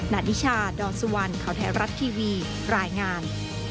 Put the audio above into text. นานิชาดสุวรรณเขาแท้รัฐทีวีรายงาน